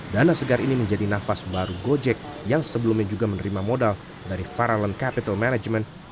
dana segar ini menjadi nafas baru gojek yang sebelumnya juga menerima modal dari paralent capital management